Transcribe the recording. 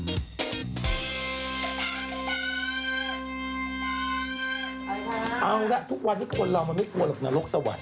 เอาละทุกวันนี้คนเรามันไม่กลัวหรอกนรกสวรร